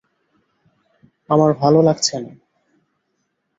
আমার ভালো লাগছে না।